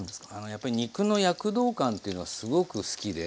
やっぱり肉の躍動感っていうのがすごく好きで。